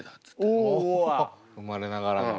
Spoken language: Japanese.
生まれながらの。